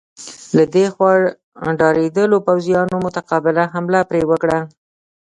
له دې خوا ډارېدلو پوځیانو متقابله حمله پرې وکړه.